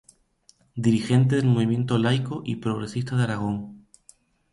Dirigente del movimiento laico y progresista de Aragón.